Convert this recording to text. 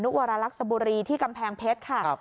อยู่ที่อำเภอขานุวรรลักษบุรีที่กำแพงเพชรค่ะ